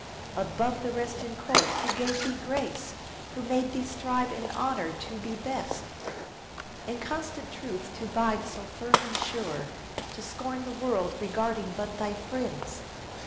Above the rest in court who gave thee grace ? Who made thee strive in honour to be best ? In constant truth to bide so firm and sure, To scorn the world regarding but thy friends